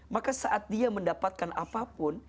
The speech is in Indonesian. maka saat dia mendapatkan apapun